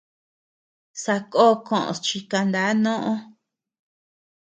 Sakó kos chi kana noʼo.